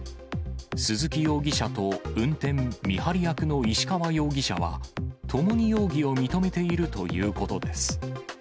鈴木容疑者と運転・見張り役の石川容疑者は、ともに容疑を認めているということです。